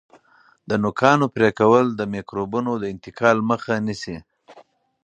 د نوکانو پرې کول د میکروبونو د انتقال مخه نیسي.